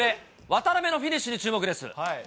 渡辺のフィニッシュに注目です。